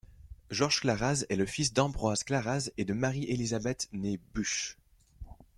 Georges Claraz est le fils d'Ambroise Claraz et de Marie Elisabeth née Buchs.